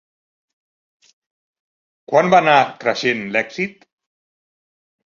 Quan va anar creixent l'èxit?